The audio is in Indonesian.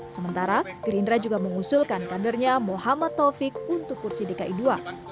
sementara gerindra juga mengusulkan kadernya muhammad taufik untuk kursi dki ii